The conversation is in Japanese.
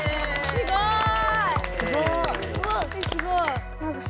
すごい！